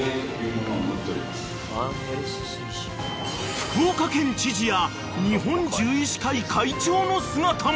［福岡県知事や日本獣医師会会長の姿も］